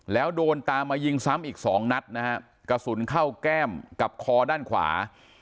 แล้วโดนตามมายิงซ้ำอีกสองนัดนะฮะกระสุนเข้าแก้มกับคอด้านขวา